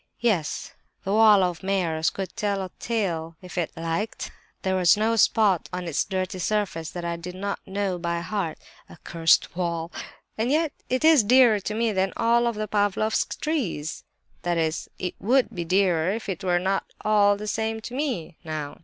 "Yes, that wall of Meyer's could tell a tale if it liked. There was no spot on its dirty surface that I did not know by heart. Accursed wall! and yet it is dearer to me than all the Pavlofsk trees!—That is—it would be dearer if it were not all the same to me, now!